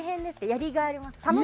やりがいありますか？